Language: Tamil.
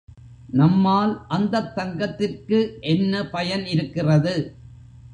நம்மால் அந்தத் தங்கத்திற்கு என்ன பயன் இருக்கிறது?